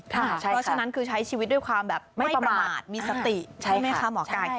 เพราะฉะนั้นคือใช้ชีวิตด้วยความแบบไม่ประมาทมีสติใช่ไหมคะหมอไก่